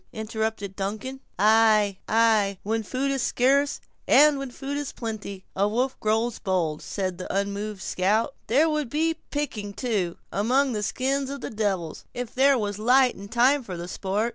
interrupted Duncan. "Ay, ay; when food is scarce, and when food is plenty, a wolf grows bold," said the unmoved scout. "There would be picking, too, among the skins of the devils, if there was light and time for the sport.